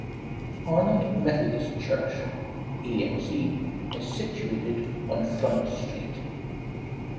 Arnold Methodist Church - 'amc' - is situated on Front Street.